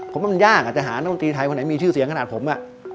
ผมมันยากจะหานักดนตรีไทยคนไหนมีชื่อเสียงขนาดผม